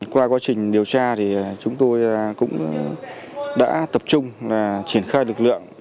qua quá trình điều tra thì chúng tôi cũng đã tập trung triển khai lực lượng